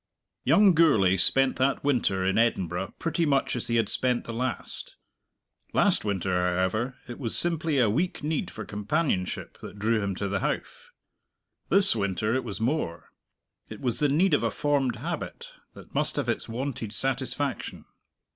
Young Gourlay spent that winter in Edinburgh pretty much as he had spent the last. Last winter, however, it was simply a weak need for companionship that drew him to the Howff. This winter it was more: it was the need of a formed habit that must have its wonted satisfaction.